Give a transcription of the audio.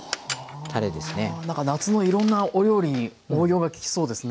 なんか夏のいろんなお料理に応用が利きそうですね。